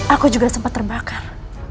aku juga sempat terbakar